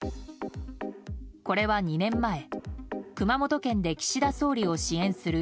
これは２年前熊本県で岸田総理を支援する